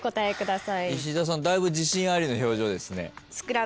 だいぶ自信ありの表情ですね。